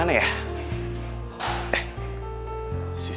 si sindy udah balik belum ya